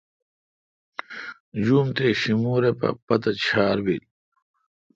جوم تے شیمور اے پا پتہ ڄھار بیل۔